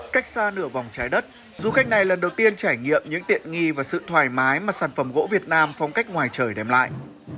cách xa nửa vòng trái đất du khách này lần đầu tiên trải nghiệm những tiện nghi và sự thoải mái mà sản phẩm gỗ việt nam phong cách ngoài trời đem lại